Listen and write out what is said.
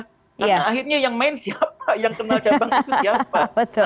karena akhirnya yang main siapa yang kenal cabang itu siapa